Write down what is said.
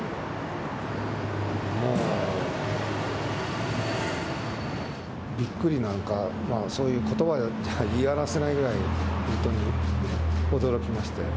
もう、びっくりなのか、そういうことばでなんか言い表せないぐらい、本当に驚きましたよ。